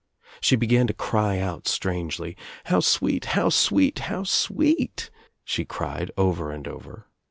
She began to cry out strangely. "How sweet, how sweet, how sweet," she cried over and over.